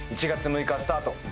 １月６日スタート